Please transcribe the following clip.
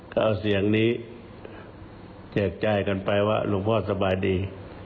ก็เอาเสียงนี้แจกใจกันไปว่าหลวงพ่อสบายดี